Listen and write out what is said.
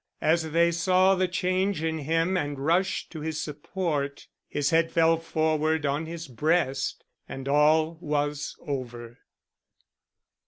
As they saw the change in him and rushed to his support, his head fell forward on his breast and all was over.